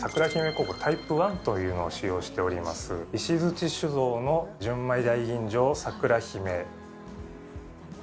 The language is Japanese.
酵母タイプ１というのを使用しております、石鎚酒造の純米大吟醸さくらひめ。